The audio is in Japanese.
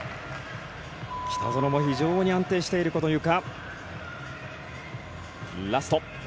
北園も非常に安定しているゆか。